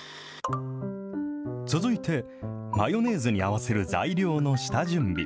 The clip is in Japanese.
続いて、マヨネーズに合わせる材料の下準備。